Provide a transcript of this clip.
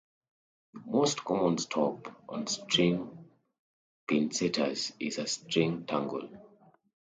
The most common stop on string pinsetters is a string tangle.